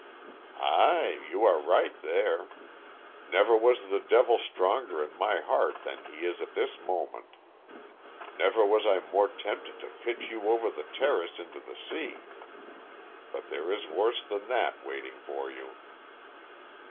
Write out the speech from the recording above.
"Ay, you are right there. Never was the devil stronger in my heart than he is at this moment. Never was I more tempted to pitch you over the terrace into the sea. But there is worse than that waiting for you."